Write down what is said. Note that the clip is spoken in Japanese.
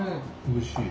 おいしい。